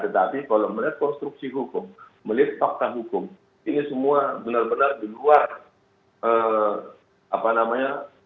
tetapi kalau melihat konstruksi hukum melihat fakta hukum ini semua benar benar di luar apa namanya